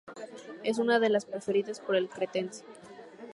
Es una de las preferidas por el cretense.